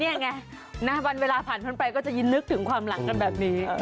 นี่ไงวันเวลาผ่านพ้นไปก็จะยินนึกถึงความหลังกันแบบนี้